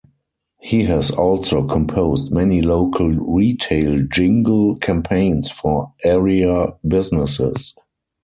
He has also composed many local retail jingle campaigns for area businesses.